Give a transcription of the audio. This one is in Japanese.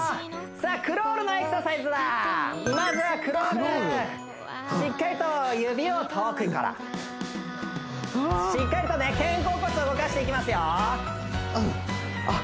さあクロールのエクササイズだまずはクロールしっかりと指を遠くからしっかりとね肩甲骨を動かしていきますよあっ